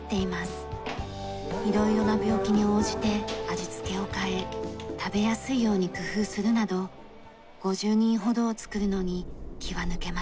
色々な病気に応じて味付けを変え食べやすいように工夫するなど５０人ほどを作るのに気は抜けません。